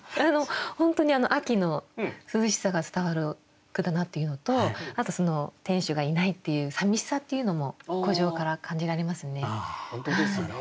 本当に秋の涼しさが伝わる句だなっていうのとあと天守がいないっていうさみしさっていうのも「古城」から感じられますね。